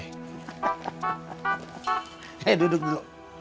hei duduk dulu